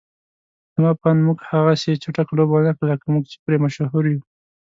زما په اند موږ هغسې چټکه لوبه ونکړه لکه موږ چې پرې مشهور يو.